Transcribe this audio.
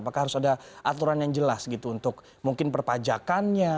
apakah harus ada aturan yang jelas gitu untuk mungkin perpajakannya